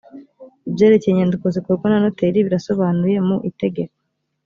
ibyerekeye inyandiko zikorwa na noteri birasobanuye mu itegeko